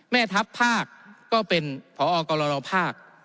แม่ทัพภาคก็เป็นพอกรนภาค